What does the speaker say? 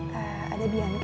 ya itu dong